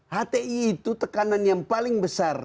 hti itu tekanan yang paling besar